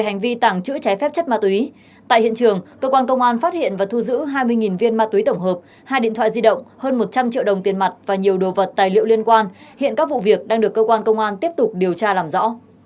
hai điện thoại di động hơn một trăm linh triệu đồng tiền mặt và nhiều đồ vật tài liệu liên quan hiện các vụ việc đang được cơ quan công an tiếp tục điều tra làm rõ